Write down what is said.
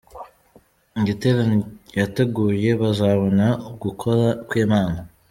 Igiterane yateguye bazabona ugukora kwimana